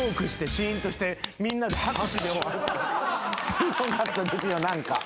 すごかったですよ何か。